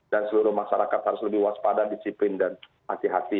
dan seluruh masyarakat harus lebih waspada disiplin dan hati hati